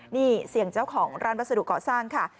นี่เสียงเจ้าของร้านวัสดุเกาะสร้างค่ะ